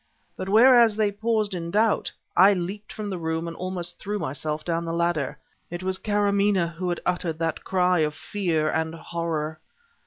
But whereas they paused in doubt, I leaped from the room and almost threw myself down the ladder. It was Karamaneh who had uttered that cry of fear and horror!